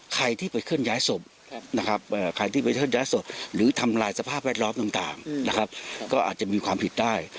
ใครที่ไปเคลื่อนย้ายศพหรือทำลายสภาพแวดล้อมต่างก็อาจจะมีความผิดได้